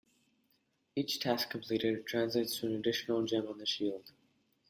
Each task completed translates to an additional gem on the shield.